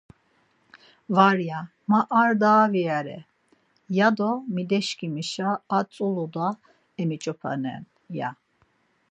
Var, ya; ma ar daa viyare, ya do mideşǩimişa a tzulu daa emiç̌opanen, ya.